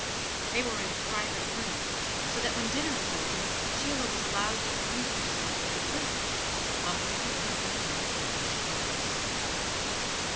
They were in a private room; so that when dinner was over, Sheila was allowed to amuse herself with the fruit, while her two companions lit their cigars.